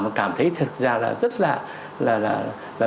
và cảm thấy thật ra là rất là